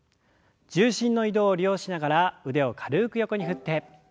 重心の移動を利用しながら腕を軽く横に振って。